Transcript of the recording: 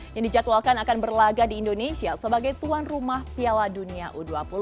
yang dijadwalkan akan berlaga di indonesia sebagai tuan rumah piala dunia u dua puluh